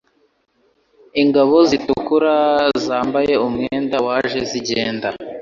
Ingabo zitukura zambaye umwenda waje zigenda -